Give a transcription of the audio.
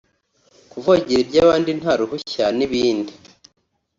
kuvogera iby’abandi nta ruhushya n’ibindi